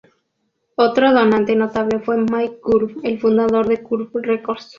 Otro donante notable fue Mike Curb, el fundador de Curb Records.